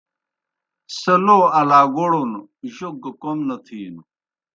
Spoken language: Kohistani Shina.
سہ لو الاگوڑُن جوک گہ کوْم نہ تِھینوْ۔